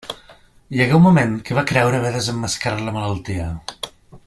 Hi hagué un moment que va creure haver desemmascarat la malaltia.